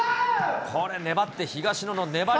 これ粘って、東野の粘り。